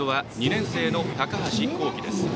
２年生の高橋煌稀です。